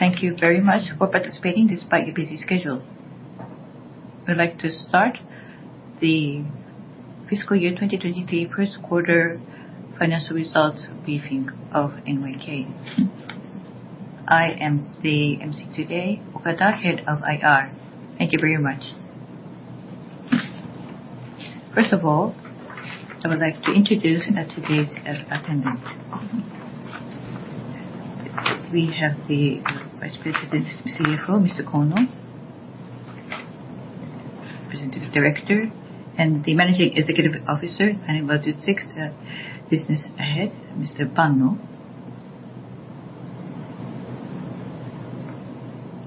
Thank you very much for participa ting despite your busy schedule. We'd like to start the fiscal year 2023 first quarter financial results briefing of NYK. I am the emcee today, Okada, head of IR. Thank you very much. First of all, I would like to introduce today's attendees. We have the Vice President, CFO, Mr. Kono, President Director, and the Managing Executive Officer and Logistics Business Head, Mr. Banno.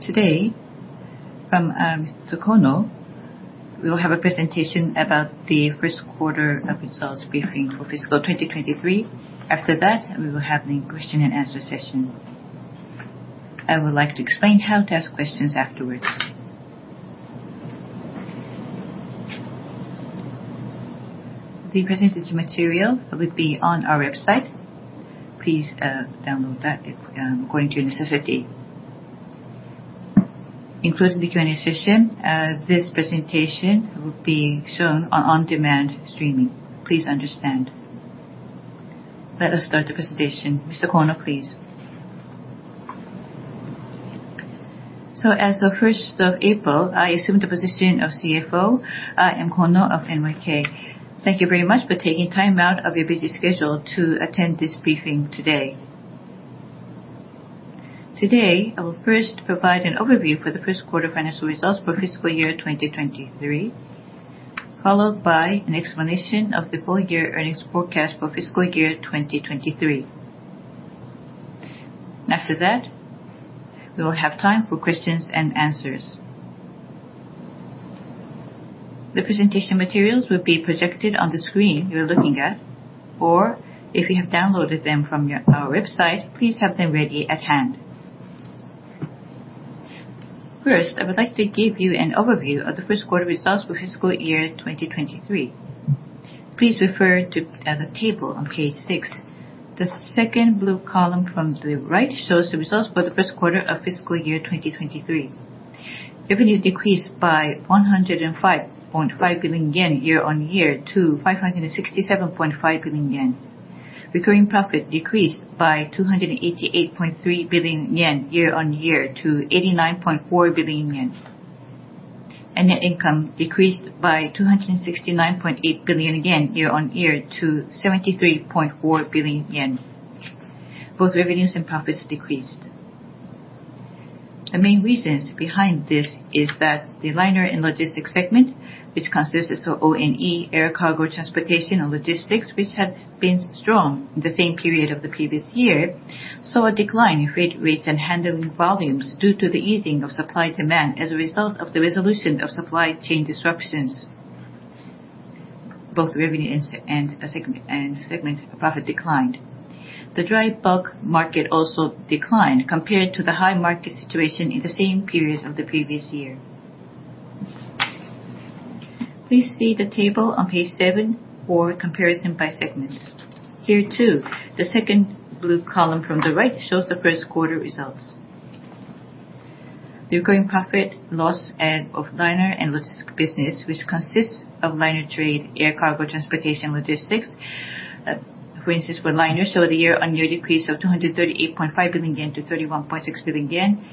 Today, from Mr. Kono, we will have a presentation about the first quarter of results briefing for fiscal 2023. After that, we will have the question-and-answer session. I would like to explain how to ask questions afterwards. The presentation material will be on our website. Please download that if according to your necessity. Including the Q&A session, this presentation will be shown on on-demand streaming. Please understand. Let us start the presentation. Mr. Kono, please. As of first of April, I assumed the position of CFO. I am Kono of NYK. Thank you very much for taking time out of your busy schedule to attend this briefing today. Today, I will first provide an overview for the first quarter financial results for fiscal year 2023, followed by an explanation of the full year earnings forecast for fiscal year 2023. After that, we will have time for questions and answers. The presentation materials will be projected on the screen you are looking at, or if you have downloaded them from our website, please have them ready at hand. First, I would like to give you an overview of the first quarter results for fiscal year 2023. Please refer to the table on page 6. The second blue column from the right shows the results for the first quarter of fiscal year 2023. Revenue decreased by 105.5 billion yen year-on-year to 567.5 billion yen. Recurring profit decreased by 288.3 billion yen year-on-year to 89.4 billion yen. Net income decreased by 269.8 billion yen year-on-year to 73.4 billion yen. Both revenues and profits decreased. The main reasons behind this is that the liner and logistics segment, which consists of ONE, air cargo, transportation, and logistics, which had been strong in the same period of the previous year, saw a decline in freight rates and handling volumes due to the easing of supply-demand as a result of the resolution of supply chain disruptions. Both revenue and segment, and segment profit declined. The Dry Bulk market also declined compared to the high market situation in the same period of the previous year. Please see the table on page 7 for comparison by segments. Here, too, the second blue column from the right shows the first quarter results. Recurring profit loss and of liner and logistics business, which consists of liner trade, air cargo, transportation, logistics. For instance, for liner, so the year-on-year decrease of 238.5 billion yen to 31.6 billion yen.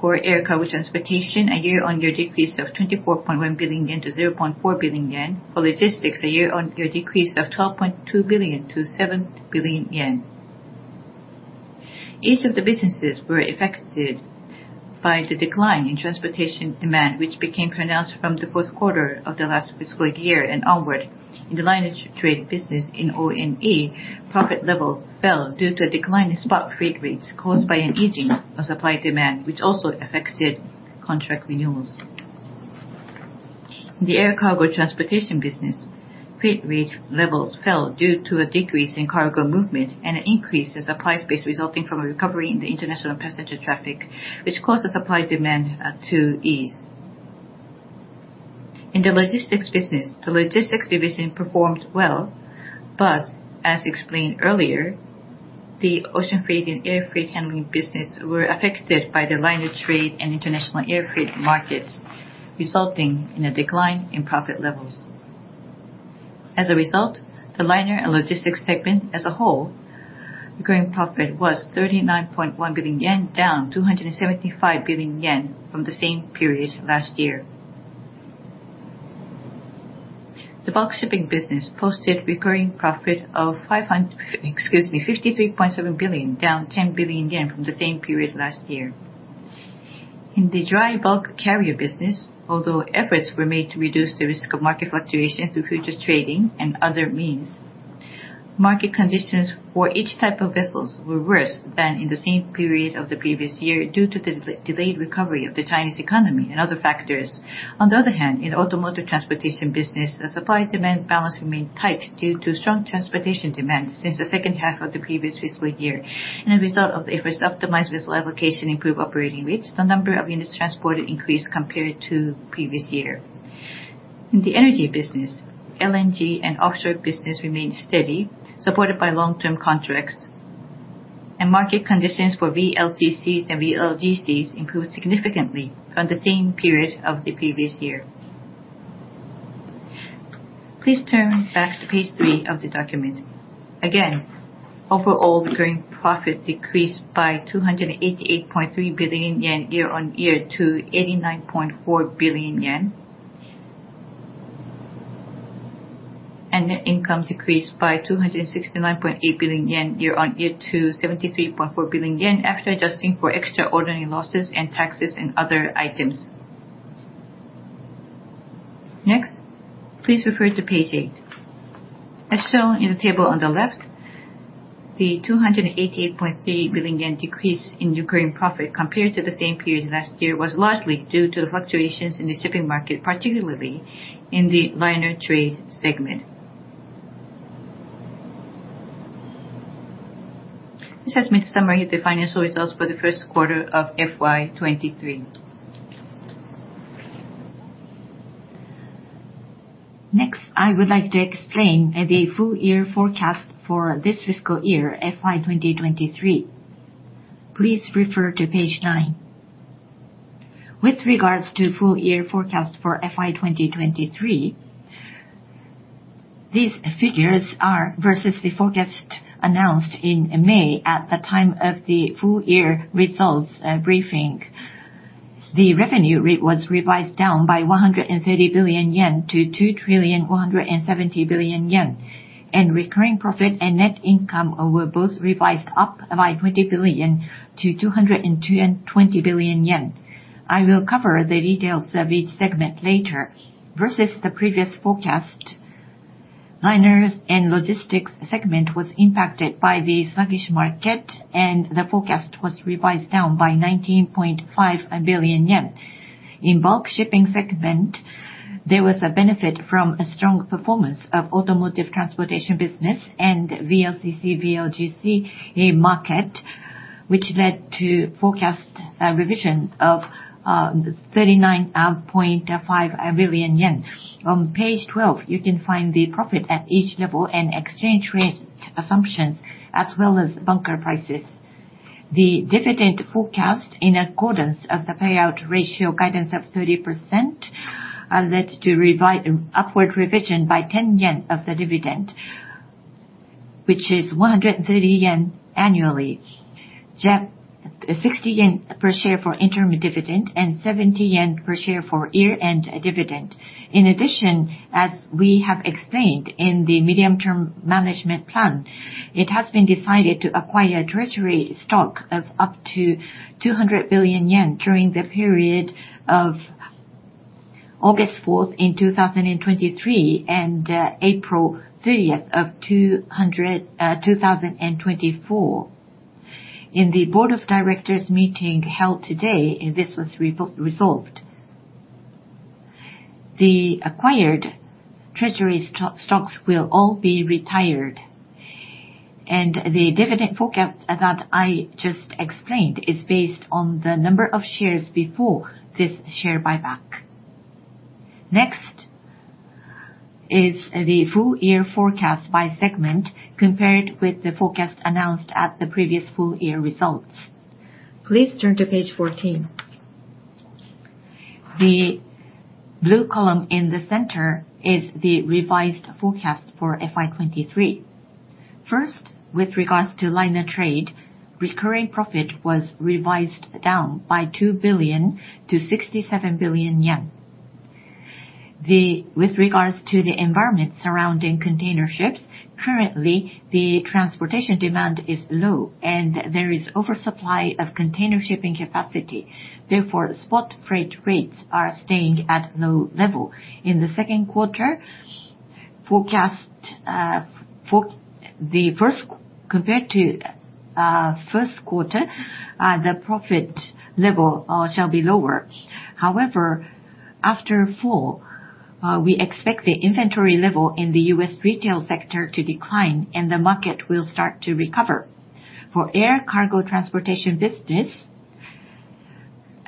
For air cargo transportation, a year-on-year decrease of 24.1 billion yen to 0.4 billion yen. For logistics, a year-on-year decrease of 12.2 billion to 7 billion yen. Each of the businesses were affected by the decline in transportation demand, which became pronounced from the fourth quarter of the last fiscal year and onward. In the liner trade business in ONE, profit level fell due to a decline in spot freight rates caused by an easing of supply-demand, which also affected contract renewals. In the air cargo transportation business, freight rate levels fell due to a decrease in cargo movement and an increase in supply space resulting from a recovery in the international passenger traffic, which caused the supply-demand to ease. In the logistics business, the logistics division performed well, as explained earlier, the ocean freight and air freight handling business were affected by the liner trade and international air freight markets, resulting in a decline in profit levels. As a result, the liner and logistics segment as a whole, recurring profit was 39.1 billion yen, down 275 billion yen from the same period last year. The bulk shipping business posted recurring profit of 53.7 billion, down 10 billion yen from the same period last year. In the Dry Bulk carrier business, although efforts were made to reduce the risk of market fluctuations through futures trading and other means, market conditions for each type of vessels were worse than in the same period of the previous year, due to the delayed recovery of the Chinese economy and other factors. On the other hand, in automotive transportation business, the supply-demand balance remained tight due to strong transportation demand since the second half of the previous fiscal year. A result of the efforts to optimize vessel allocation improve operating rates, the number of units transported increased compared to previous year.... In the energy business, LNG and offshore business remained steady, supported by long-term contracts, and market conditions for VLCCs and VLGCs improved significantly from the same period of the previous year. Please turn back to page 3 of the document. Again, overall recurring profit decreased by 288.3 billion yen year-on-year to 89.4 billion yen. Net income decreased by 269.8 billion yen year-on-year to 73.4 billion yen, after adjusting for extraordinary losses and taxes and other items. Next, please refer to page 8. As shown in the table on the left, the 288.3 billion yen decrease in recurring profit compared to the same period last year, was largely due to the fluctuations in the shipping market, particularly in the liner trade segment. This has been a summary of the financial results for the 1st quarter of FY 2023. Next, I would like to explain the full year forecast for this fiscal year, FY 2023. Please refer to page 9. With regards to full year forecast for FY 2023, these figures are versus the forecast announced in May at the time of the full year results briefing. The revenue rate was revised down by 130 billion yen to 2,170 billion yen. Recurring profit and net income were both revised up by 20 billion to 220 billion yen. I will cover the details of each segment later. Versus the previous forecast, liners and logistics segment was impacted by the sluggish market, and the forecast was revised down by 19.5 billion yen. In bulk shipping segment, there was a benefit from a strong performance of automotive transportation business and VLCC, VLGC, a market which led to forecast revision of 39.5 billion yen. On page 12, you can find the profit at each level and exchange rate assumptions, as well as bunker prices. The dividend forecast, in accordance of the payout ratio guidance of 30%, led to upward revision by 10 yen of the dividend, which is 130 yen annually. 60 yen per share for interim dividend, and 70 yen per share for year-end dividend. In addition, as we have explained in the Medium-Term Management Plan, it has been decided to acquire treasury stock of up to 200 billion yen during the period of August 4, 2023, and April 30, 2024. In the Board of Directors meeting held today, this was re-resolved. The acquired treasury stocks will all be retired. The dividend forecast that I just explained is based on the number of shares before this share buyback. Next is the full year forecast by segment, compared with the forecast announced at the previous full year results. Please turn to page 14. The blue column in the center is the revised forecast for FY 2023. First, with regards to liner trade, recurring profit was revised down by 2 billion to 67 billion yen. The, with regards to the environment surrounding container ships, currently, the transportation demand is low, and there is oversupply of container shipping capacity. Therefore, spot freight rates are staying at low level. In the 2nd quarter, forecast, compared to 1st quarter, the profit level shall be lower. However, after fall, we expect the inventory level in the US retail sector to decline, and the market will start to recover. For air cargo transportation business,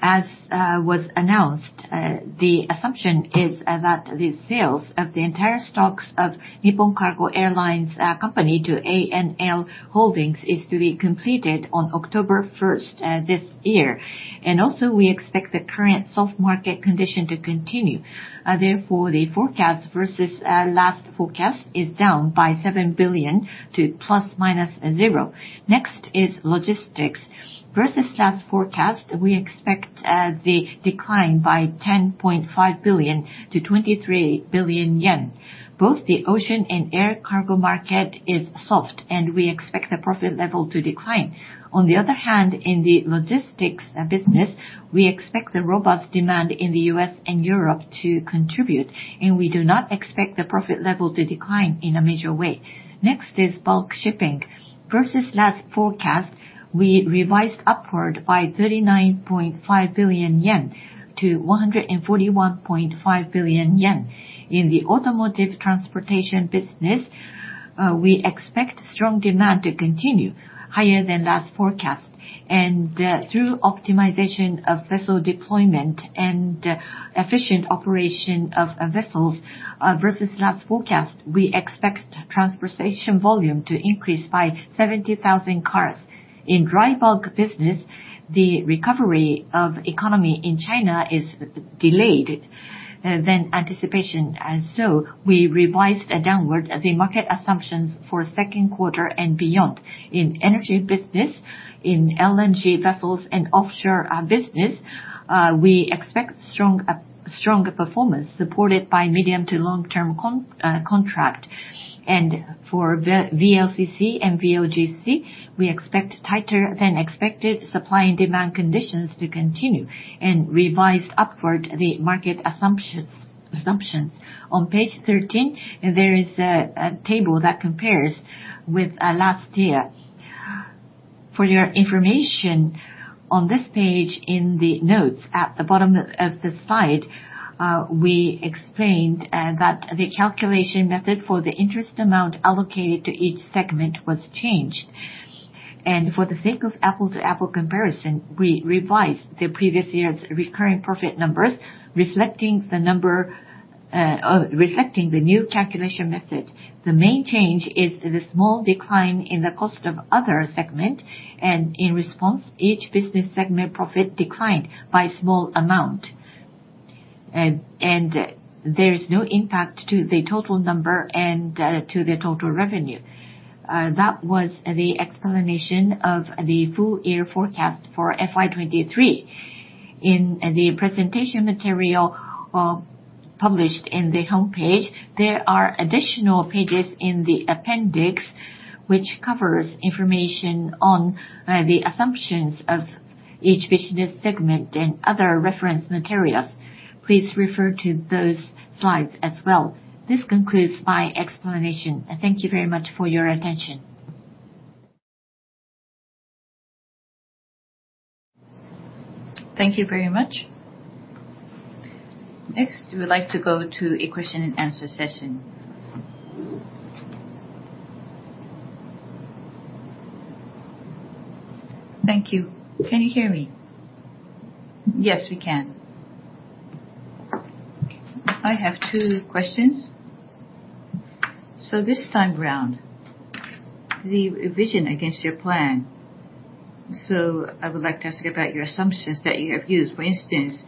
as was announced, the assumption is that the sales of the entire stocks of Nippon Cargo Airlines Company to ANA Holdings is to be completed on October 1st this year. Also, we expect the current soft market condition to continue. Therefore, the forecast versus last forecast is down by 7 billion to ±0. Next is Logistics. Versus last forecast, we expect the decline by 10.5 billion-23 billion yen. Both the ocean and air cargo market is soft, and we expect the profit level to decline. On the other hand, in the logistics business, we expect the robust demand in the US and Europe to contribute, and we do not expect the profit level to decline in a major way. Next is bulk shipping. Versus last forecast, we revised upward by 39.5 billion yen to 141.5 billion yen. In the automotive transportation business, we expect strong demand to continue higher than last forecast. Through optimization of vessel deployment and efficient operation of vessels, versus last forecast, we expect transportation volume to increase by 70,000 cars. In Dry Bulk business, the recovery of economy in China is delayed than anticipation, and so we revised downward the market assumptions for 2nd quarter and beyond. In Energy business, in LNG vessels and offshore business, we expect strong, strong performance, supported by medium to long-term contract. For VLCC and VLGC, we expect tighter than expected supply and demand conditions to continue, and revised upward the market assumptions, assumptions. On page 13, there is a, a table that compares with last year. For your information, on this page, in the notes at the bottom of, of the slide, we explained that the calculation method for the interest amount allocated to each segment was changed. For the sake of apple-to-apple comparison, we revised the previous year's recurring profit numbers, reflecting the number, reflecting the new calculation method. The main change is the small decline in the cost of other segment, and in response, each business segment profit declined by a small amount. There is no impact to the total number and to the total revenue. That was the explanation of the full year forecast for FY 2023. In the presentation material, published in the home page, there are additional pages in the appendix, which covers information on the assumptions of each business segment and other reference materials. Please refer to those slides as well. This concludes my explanation. Thank you very much for your attention. Thank you very much. Next, we would like to go to a question and answer session. Thank you. Can you hear me? Yes, we can. I have two questions. This time around, the vision against your plan. I would like to ask about your assumptions that you have used. For instance,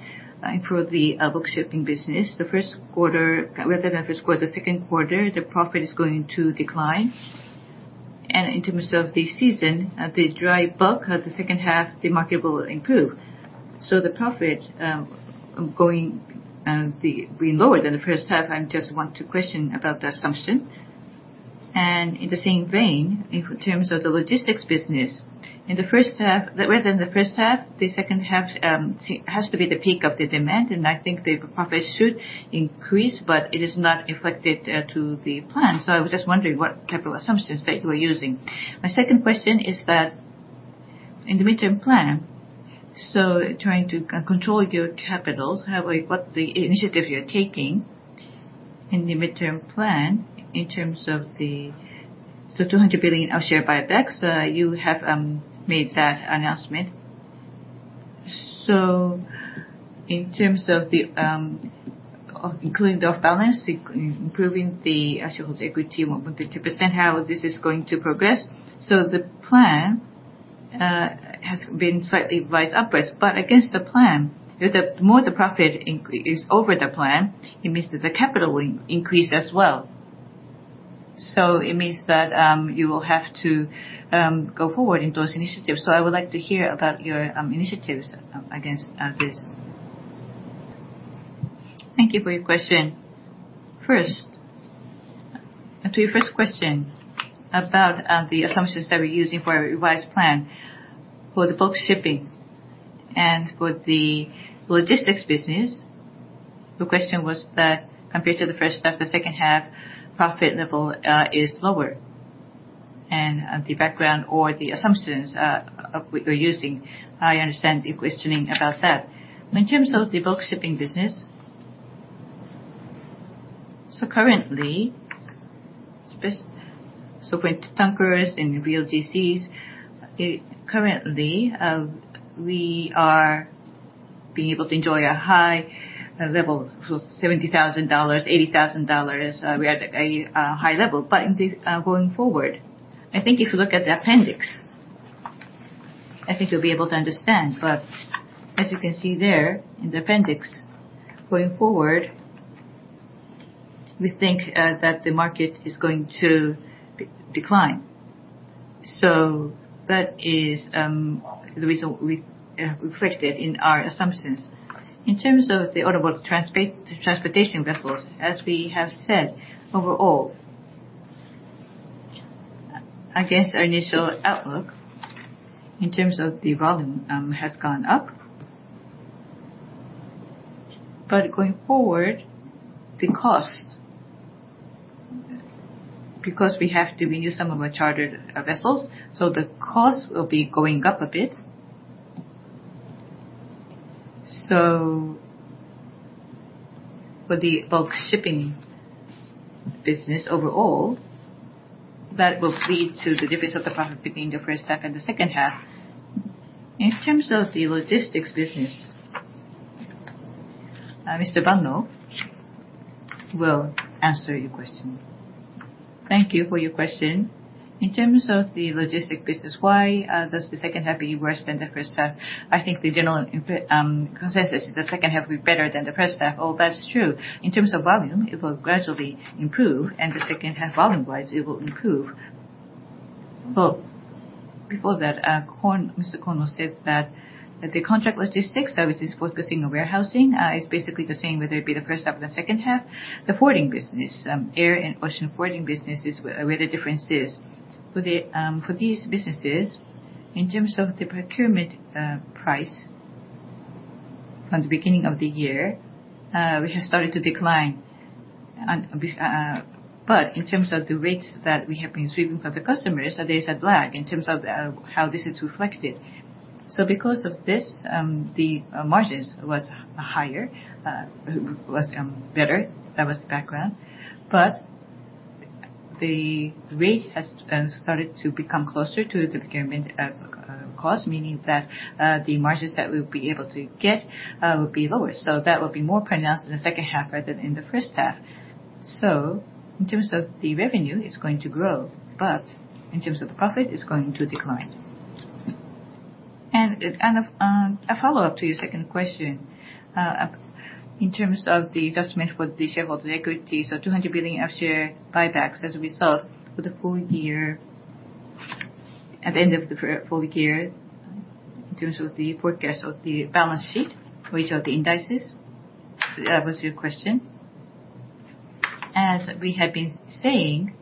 for the bulk shipping business, the first quarter, rather than first quarter, the second quarter, the profit is going to decline. In terms of the season, at the Dry Bulk, at the second half, the market will improve. The profit going be, be lower than the first half, I just want to question about the assumption. In the same vein, in terms of the logistics business, in the first half, rather than the first half, the second half has to be the peak of the demand, and I think the profit should increase, but it is not reflected to the plan. I was just wondering what type of assumptions that you are using. My second question is that in the Midterm Plan, trying to control your capitals, how are you what the initiative you're taking in the Midterm Plan in terms of the... 200 billion of share buybacks you have made that announcement. In terms of the, including the off balance, improving the actual equity, more than 50%, how this is going to progress? The plan has been slightly revised upwards, but against the plan, the more the profit is over the plan, it means that the capital will increase as well. It means that you will have to go forward in those initiatives. I would like to hear about your initiatives against this. Thank you for your question. First, to your first question about the assumptions that we're using for our revised plan. For the bulk shipping and for the logistics business, the question was that compared to the first half, the second half profit level is lower. The background or the assumptions we're using, I understand you're questioning about that. In terms of the bulk shipping business, so currently, so with tankers and VLCCs, it currently, we are being able to enjoy a high level, so $70,000, $80,000, we are at a high level. In the going forward, I think if you look at the appendix, I think you'll be able to understand. As you can see there, in the appendix, going forward, we think that the market is going to decline. That is the reason we reflected in our assumptions. In terms of the other world transportation vessels, as we have said, overall, against our initial outlook, in terms of the volume, has gone up. Going forward, the cost, because we have to reuse some of our chartered vessels, so the cost will be going up a bit. For the bulk shipping business overall, that will lead to the difference of the profit between the first half and the second half. In terms of the logistics business, Mr. Banno will answer your question. Thank you for your question. In terms of the logistics business, why does the second half be worse than the first half? I think the general consensus is the second half will be better than the first half. Well, that's true. In terms of volume, it will gradually improve, and the second half, volume-wise, it will improve. Well, before that, Kono, Mr. Kono said that, that the contract logistics services focusing on warehousing is basically the same, whether it be the first half or the second half. The forwarding business, air and ocean forwarding business, is where the difference is. For the, for these businesses, in terms of the procurement price from the beginning of the year, which has started to decline. But in terms of the rates that we have been receiving from the customers, there's a lag in terms of how this is reflected. Because of this, the margins was higher, was better. That was the background. The rate has started to become closer to the procurement cost, meaning that the margins that we'll be able to get will be lower. That will be more pronounced in the second half rather than in the first half. In terms of the revenue, it's going to grow, but in terms of the profit, it's going to decline. A follow-up to your second question. In terms of the adjustment for the shareholders' equity, 200 billion of share buybacks as a result for the full year, at the end of the full year, in terms of the forecast of the balance sheet, which are the indices, was your question? As we have been saying,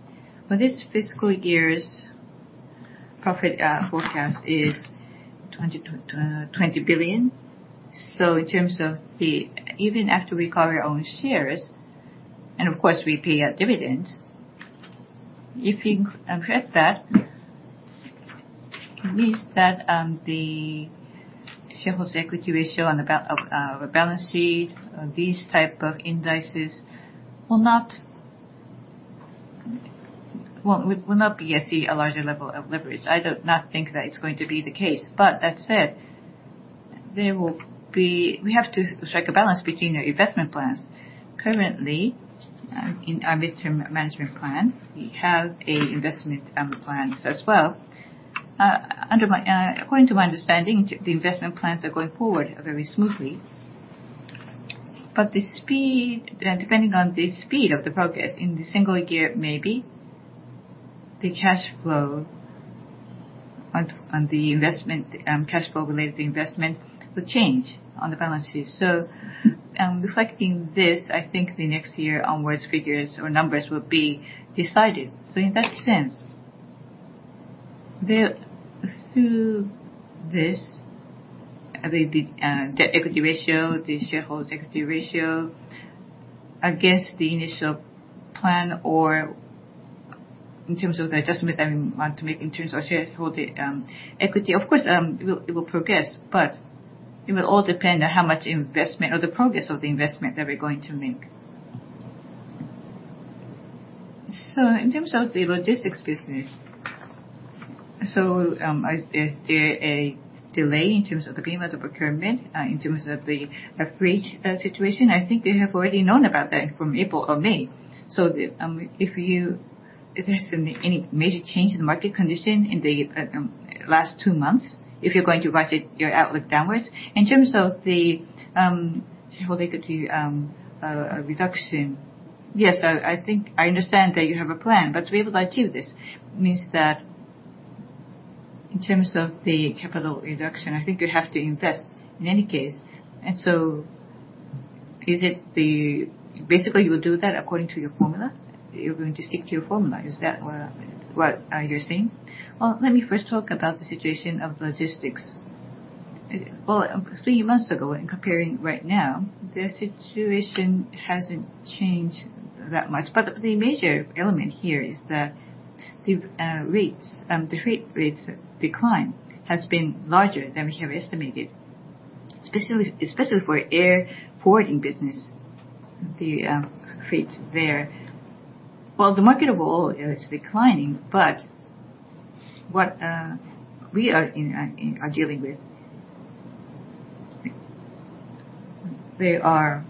for this fiscal year's profit, forecast is 20 billion. In terms of the... Even after we cover our own shares, and of course we pay out dividends, if you include that, it means that the shareholders' equity ratio and the balance sheet, these type of indices will not, well, will, will not be, I see, a larger level of leverage. I do not think that it's going to be the case. That said, we have to strike a balance between our investment plans. Currently, in our Medium-Term Management Plan, we have a investment plans as well. Under my, according to my understanding, the investment plans are going forward very smoothly. The speed, depending on the speed of the progress in the single year, maybe the cash flow on, on the investment, cash flow related to investment will change on the balance sheet. Reflecting this, I think the next year onwards, figures or numbers will be decided. In that sense, the, through this, the debt equity ratio, the shareholders' equity ratio, against the initial plan, or in terms of the adjustment I want to make in terms of shareholder equity, of course, it will, it will progress, but it will all depend on how much investment or the progress of the investment that we're going to make. In terms of the logistics business, is there a delay in terms of the payment of procurement, in terms of the freight situation? I think they have already known about that from April or May. If you, is there any, any major change in the market condition in the last two months, if you're going to revise it, your outlook downwards? In terms of the shareholder equity reduction, yes, I, I think I understand that you have a plan, but to be able to achieve this means that in terms of the capital reduction, I think you have to invest in any case. So is it the, basically, you will do that according to your formula? You're going to stick to your formula. Is that what, what you're saying? Let me first talk about the situation of logistics. 3 months ago, in comparing right now, the situation hasn't changed that much. But the major element here is that the rates, the freight rates decline has been larger than we have estimated, especially, especially for air forwarding business, the freights there. Well, the market overall, it's declining, but what we are in, are dealing with, there are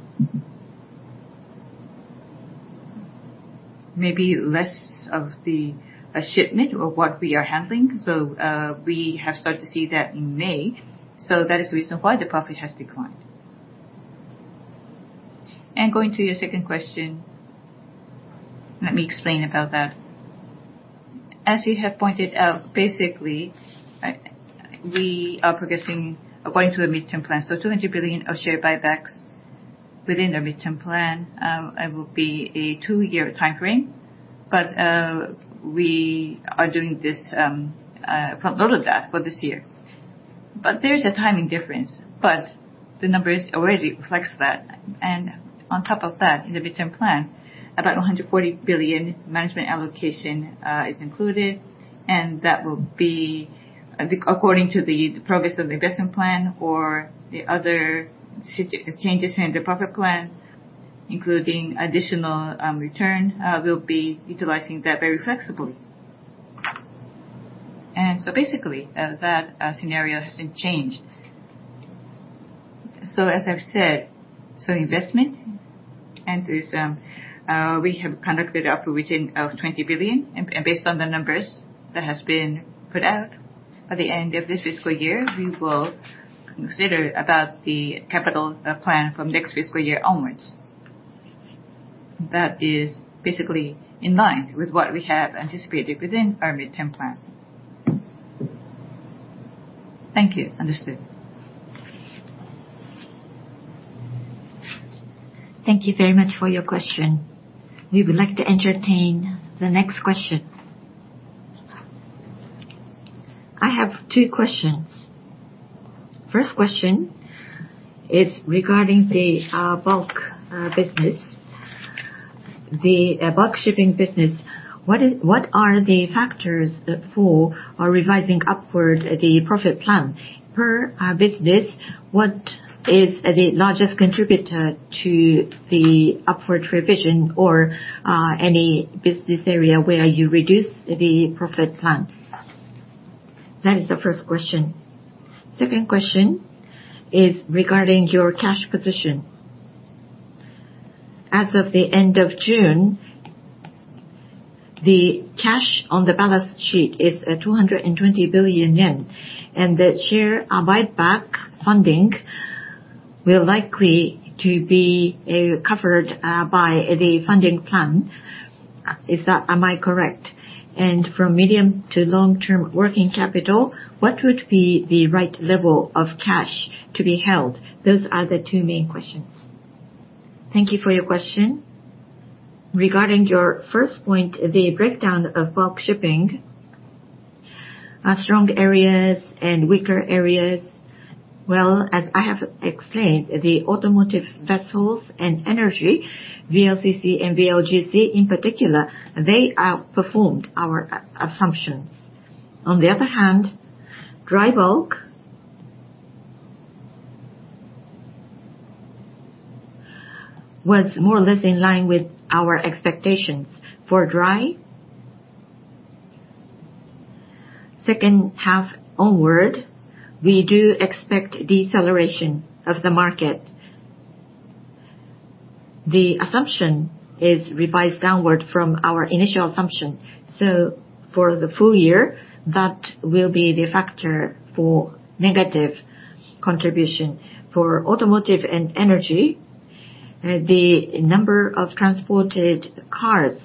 maybe less of the shipment of what we are handling, so we have started to see that in May. That is the reason why the profit has declined. Going to your second question, let me explain about that. As you have pointed out, basically, we are progressing according to the Midterm Plan, so 200 billion of share buybacks within the Midterm Plan. It will be a two-year time frame, but we are doing this part of that for this year. There's a timing difference, but the numbers already reflects that. On top of that, in the Midterm Plan, about 140 billion management allocation is included, and that will be according to the progress of the investment plan or the other changes in the profit plan.... including additional return, we'll be utilizing that very flexibly. Basically, that scenario hasn't changed. As I've said, investment, we have conducted up to within 20 billion, based on the numbers that has been put out at the end of this fiscal year, we will consider about the capital plan from next fiscal year onwards. That is basically in line with what we have anticipated within our Medium-Term Management Plan. Thank you. Understood. Thank you very much for your question. We would like to entertain the next question. I have two questions. First question is regarding the bulk business. The bulk shipping business, what are the factors that for are revising upward the profit plan? Per business, what is the largest contributor to the upward revision or any business area where you reduced the profit plan? That is the first question. Second question is regarding your cash position. As of the end of June, the cash on the balance sheet is 220 billion yen, and the share buyback funding will likely to be covered by the funding plan. Am I correct? From medium to long-term working capital, what would be the right level of cash to be held? Those are the two main questions. Thank you for your question. Regarding your first point, the breakdown of bulk shipping strong areas and weaker areas, well, as I have explained, the automotive, vessels, and energy, VLCC and VLGC in particular, they outperformed our assumptions. On the other hand, Dry Bulk was more or less in line with our expectations. For dry, second half onward, we do expect deceleration of the market. The assumption is revised downward from our initial assumption, so for the full year, that will be the factor for negative contribution. For automotive and energy, the number of transported cars,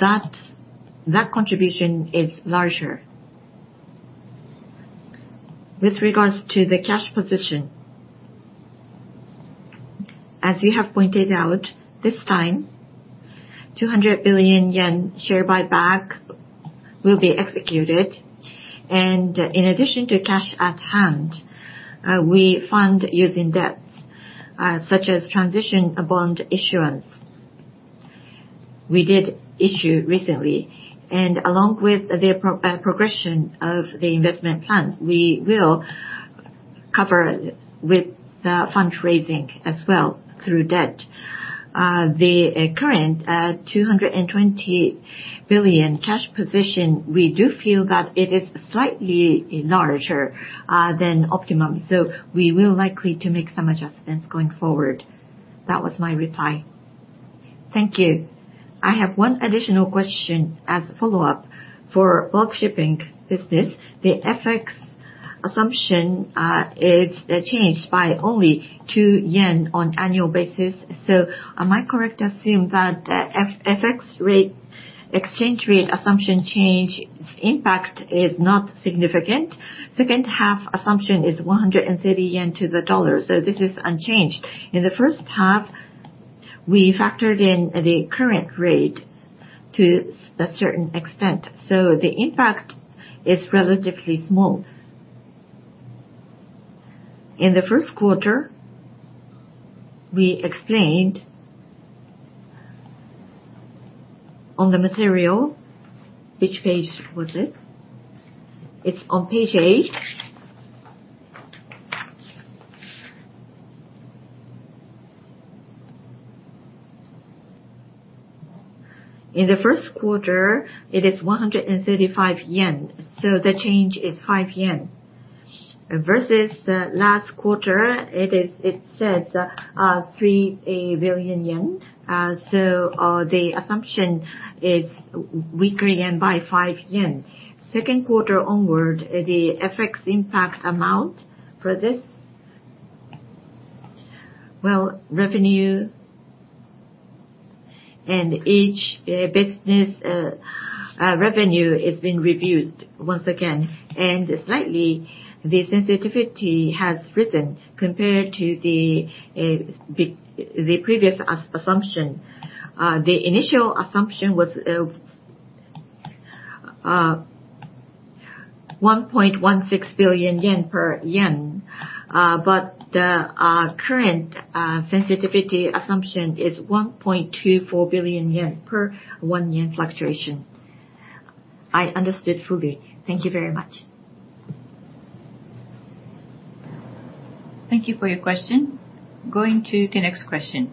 that, that contribution is larger. With regards to the cash position, as you have pointed out, this time, 200 billion yen share buyback will be executed, and in addition to cash at hand, we fund using debts, such as transition bond issuance. We did issue recently, and along with the progression of the investment plan, we will cover with the fundraising as well through debt. The current 220 billion cash position, we do feel that it is slightly larger than optimum. We will likely to make some adjustments going forward. That was my reply. Thank you. I have one additional question as a follow-up. For bulk shipping business, the FX assumption is changed by only 2 yen on annual basis. Am I correct to assume that FX rate, exchange rate assumption change impact is not significant? Second half assumption is 130 yen to the dollar. This is unchanged. In the first half, we factored in the current rate to a certain extent. The impact is relatively small. In the first quarter, we explained on the material, which page was it? It's on page 8. In the first quarter, it is 135 yen, so the change is 5 yen. Versus last quarter, it says 3 billion yen, so the assumption is weaker yen by 5 yen. Second quarter onward, the FX impact amount for this? Well, revenue and each business revenue is being reviewed once again, and slightly, the sensitivity has risen compared to the previous assumption. The initial assumption was 1.16 billion yen per yen, but the current sensitivity assumption is 1.24 billion yen per 1 yen fluctuation. I understood fully. Thank you very much. Thank you for your question. Going to the next question.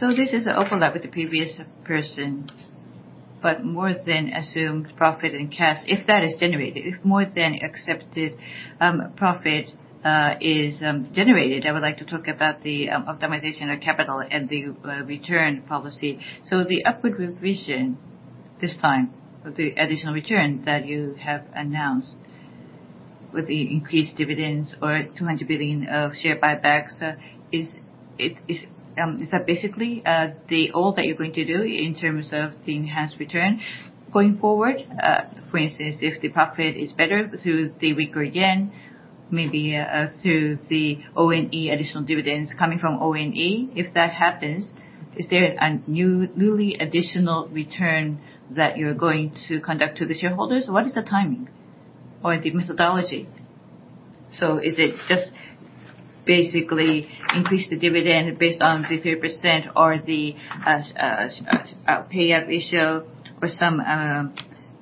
This is an overlap with the previous person, but more than assumed profit and cash, if that is generated, if more than accepted profit is generated, I would like to talk about the optimization of capital and the return policy. The upward revision this time, with the additional return that you have announced, with the increased dividends or 200 billion of share buybacks, is that basically the all that you're going to do in terms of the enhanced return? Going forward, for instance, if the profit is better through the weaker yen, maybe through the ONE, additional dividends coming from ONE, if that happens, is there a newly additional return that you're going to conduct to the shareholders? What is the timing or the methodology? Is it just basically increase the dividend based on the 3% or the payout ratio, or some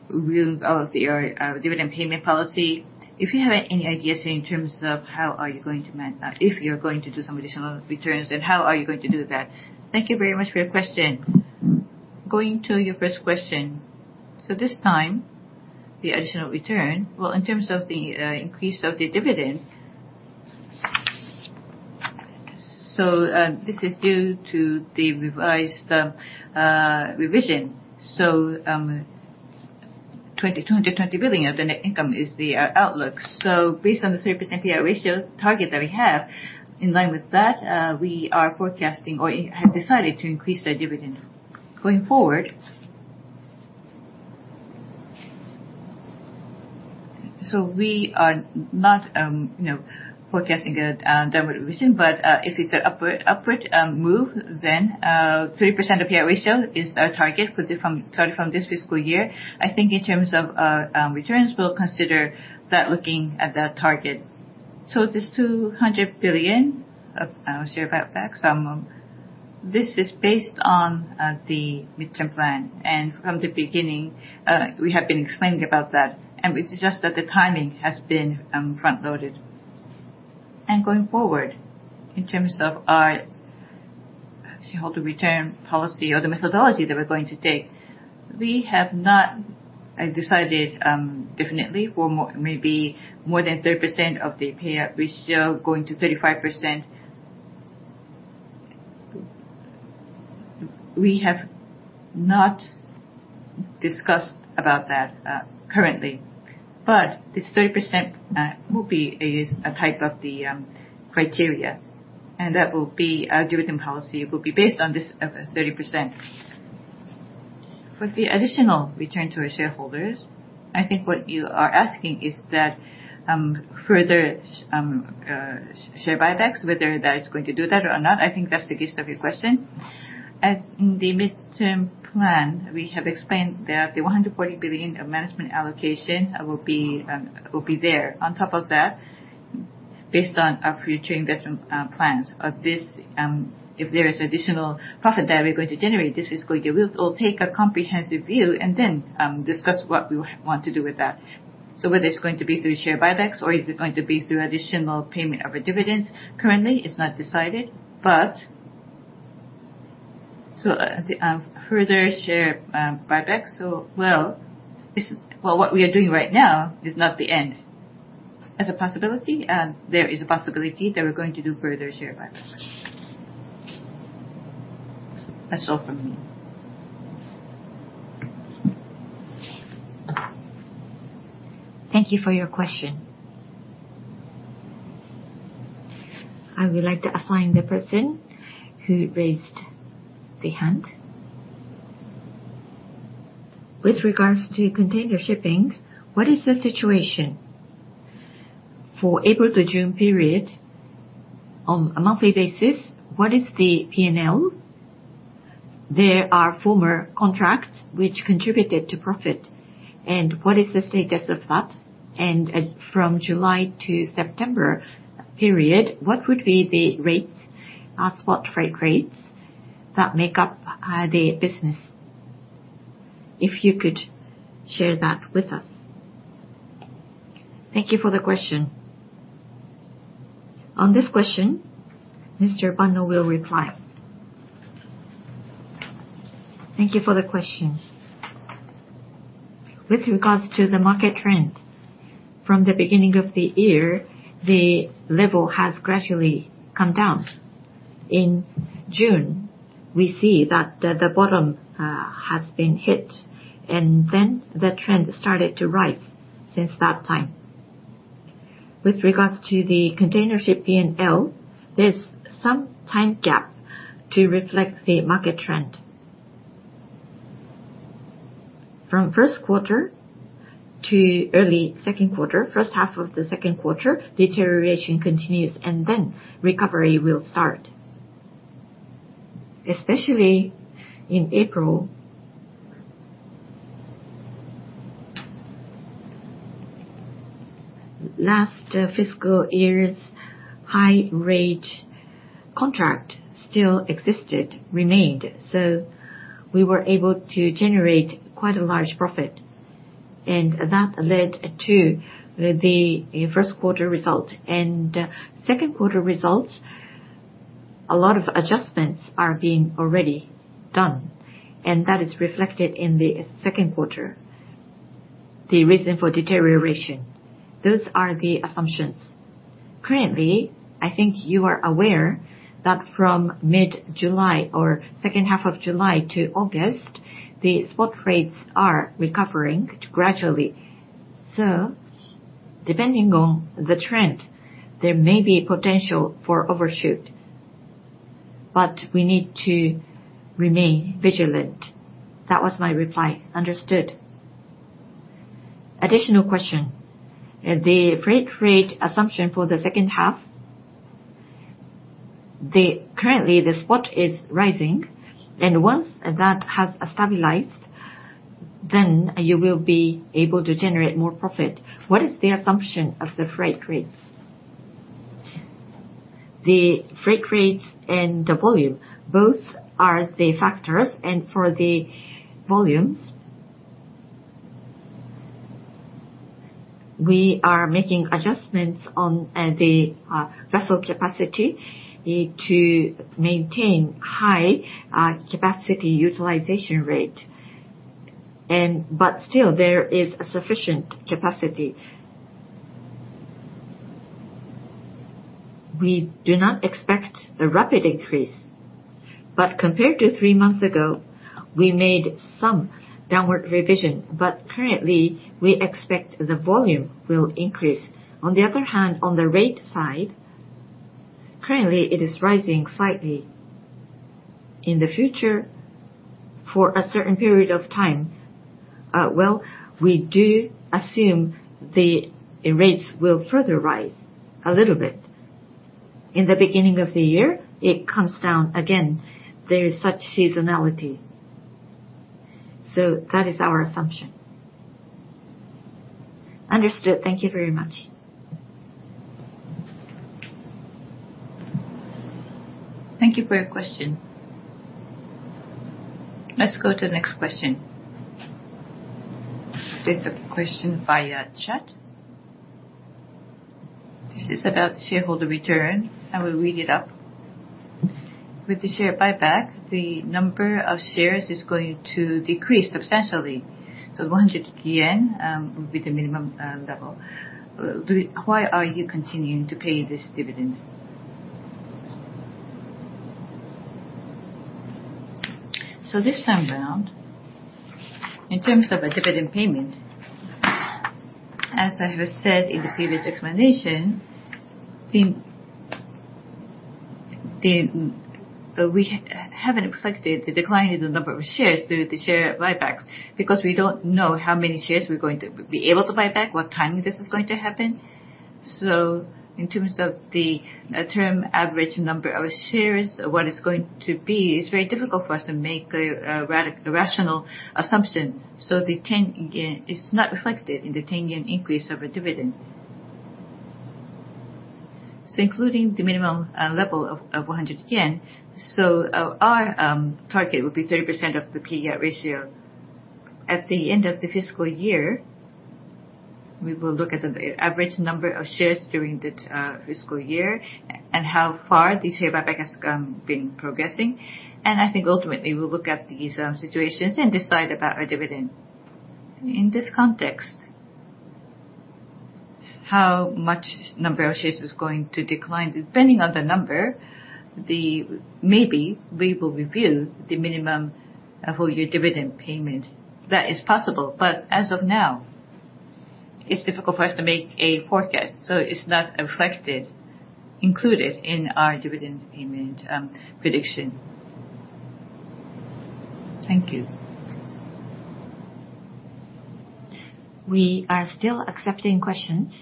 room of your dividend payment policy? If you have any ideas in terms of how are you going to manage that, if you're going to do some additional returns, and how are you going to do that? Thank you very much for your question. Going to your first question. This time, the additional return, well, in terms of the increase of the dividend... This is due to the revised revision. 2,200 billion of the net income is the outlook. Based on the 3% payout ratio target that we have, in line with that, we are forecasting or have decided to increase our dividend. Going forward, we are not, you know, forecasting a downward revision, but if it's an upward, upward move, then 3% payout ratio is our target starting from this fiscal year. I think in terms of returns, we'll consider that looking at that target. This 200 billion of share buyback, some, this is based on the Midterm Plan, from the beginning, we have been explaining about that, and it's just that the timing has been front-loaded. Going forward, in terms of our shareholder return policy or the methodology that we're going to take, we have not decided definitely for more, maybe more than 30% of the payout ratio, going to 35%. We have not discussed about that, currently, but this 30%, will be a, is a type of the, criteria, and that will be our dividend policy. It will be based on this, 30%. For the additional return to our shareholders, I think what you are asking is that, further, share buybacks, whether that is going to do that or not, I think that's the gist of your question. At in the midterm plan, we have explained that the 140 billion of management allocation, will be, will be there. On top of that, based on our future investment, plans, this, if there is additional profit that we're going to generate this fiscal year, we'll, we'll take a comprehensive view and then, discuss what we want to do with that. Whether it's going to be through share buybacks or is it going to be through additional payment of our dividends, currently, it's not decided, but the further share buyback, Well, what we are doing right now is not the end. As a possibility, there is a possibility that we're going to do further share buyback. That's all from me. Thank you for your question. I would like to assign the person who raised the hand. With regards to container shipping, what is the situation? For April to June period, on a monthly basis, what is the P&L? There are former contracts which contributed to profit, and what is the status of that? From July to September period, what would be the rates, spot freight rates, that make up, the business? If you could share that with us. Thank you for the question. On this question, Mr. Banno will reply. Thank you for the question. With regards to the market trend, from the beginning of the year, the level has gradually come down. In June, we see that the, the bottom has been hit, and then the trend started to rise since that time. With regards to the container ship P&L, there's some time gap to reflect the market trend. From 1st quarter to early 2nd quarter, 1st half of the 2nd quarter, deterioration continues, and then recovery will start. Especially in April, last fiscal year's high rate- ...contract still existed, remained. We were able to generate quite a large profit, and that led to the first quarter result. Second quarter results, a lot of adjustments are being already done, and that is reflected in the second quarter, the reason for deterioration. Those are the assumptions. Currently, I think you are aware that from mid-July or second half of July to August, the spot rates are recovering gradually. Depending on the trend, there may be potential for overshoot, but we need to remain vigilant. That was my reply. Understood. Additional question, the freight rate assumption for the second half, currently, the spot is rising, and once that has stabilized, then you will be able to generate more profit. What is the assumption of the freight rates? The freight rates and the volume, both are the factors, and for the volumes, we are making adjustments on the vessel capacity to maintain high capacity utilization rate. But still there is sufficient capacity. We do not expect a rapid increase, but compared to three months ago, we made some downward revision, but currently, we expect the volume will increase. On the other hand, on the rate side, currently, it is rising slightly. In the future, for a certain period of time, well, we do assume the rates will further rise a little bit. In the beginning of the year, it comes down again. There is such seasonality. That is our assumption. Understood. Thank Thank you very much. Thank you for your question. Let's go to the next question. There's a question via chat. This is about shareholder return. I will read it up. With the share buyback, the number of shares is going to decrease substantially, so 100 yen will be the minimum level. Why are you continuing to pay this dividend? This time around, in terms of a dividend payment, as I have said in the previous explanation, the, the, we haven't expected the decline in the number of shares due to the share buybacks, because we don't know how many shares we're going to be able to buy back, what time this is going to happen. In terms of the term average number of shares, what it's going to be, it's very difficult for us to make a radical, a rational assumption. The 10 yen is not reflected in the 10 yen increase of a dividend. Including the minimum level of 100 yen, our target will be 30% of the payout ratio. At the end of the fiscal year, we will look at the, the average number of shares during the fiscal year and how far the share buyback has been progressing. I think ultimately, we'll look at these situations and decide about our dividend. In this context, how much number of shares is going to decline depending on the number, maybe we will review the minimum whole year dividend payment. That is possible, but as of now, it's difficult for us to make a forecast, so it's not reflected, included in our dividend payment, prediction. Thank you. We are still accepting questions.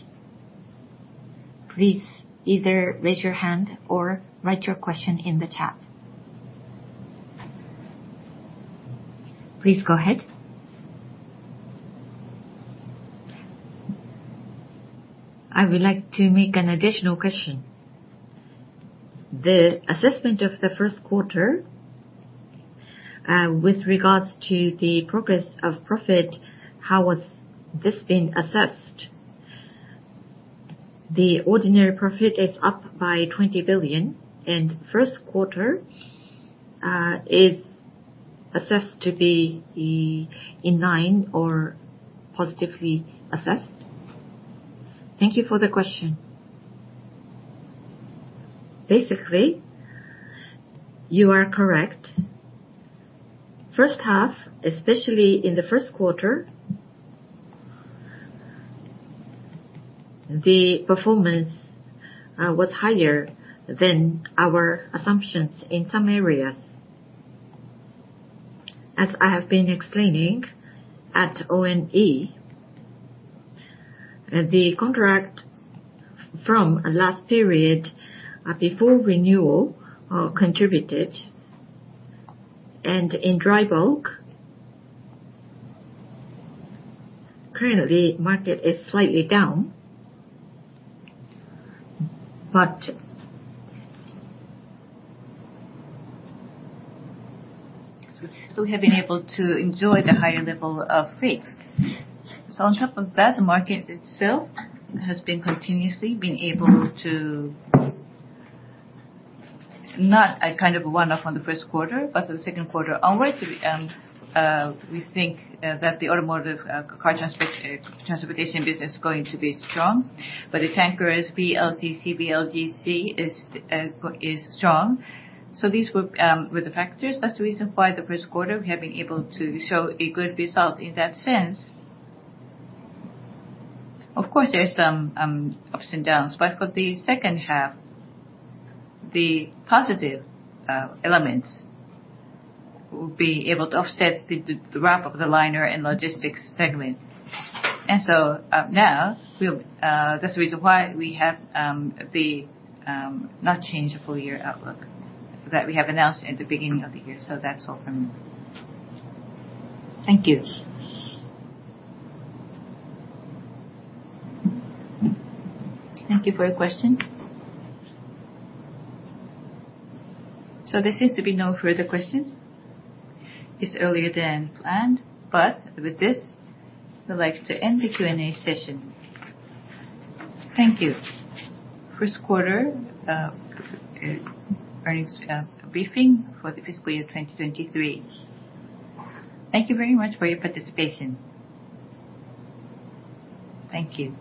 Please either raise your hand or write your question in the chat. Please go ahead. I would like to make an additional question. The assessment of the first quarter, with regards to the progress of profit, how was this being assessed? The ordinary profit is up by 20 billion, and first quarter, is assessed to be in line or positively assessed. Thank you for the question. Basically, you are correct. First half, especially in the first quarter, the performance was higher than our assumptions in some areas. As I have been explaining, at ONE, the contract from last period, before renewal, contributed, and in Dry Bulk, currently, market is slightly down. We have been able to enjoy the higher level of rates. On top of that, the market itself has been continuously been able to, not a kind of one-off on the first quarter, but the second quarter onwards, we think that the automotive car transportation business is going to be strong, but the tanker is VLCC, VLGC is strong. These were, were the factors. That's the reason why the first quarter, we have been able to show a good result in that sense. Of course, there are some ups and downs, but for the second half, the positive elements will be able to offset the, the wrap of the liner and logistics segment. Now, we'll, that's the reason why we have, the, not change the full year outlook that we have announced at the beginning of the year. That's all from me. Thank you. Thank you for your question. There seems to be no further questions. It's earlier than planned, but with this, we'd like to end the Q&A session. Thank you. First quarter, earnings, briefing for the fiscal year 2023. Thank you very much for your participation. Thank you.